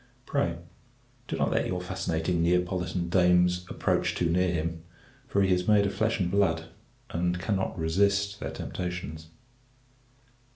Pray, do not let your fascinating Neapolitan dames approach too near him; for he is made of flesh and blood, and cannot resist their temptations.